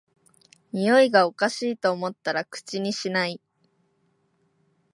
においがおかしいと思ったら口にしない